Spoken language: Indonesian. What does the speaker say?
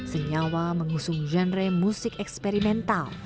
senyawa mengusung genre musik eksperimental